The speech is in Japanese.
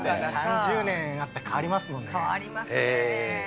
３０年たったら変わりますも変わりますね。